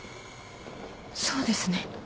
そうですね。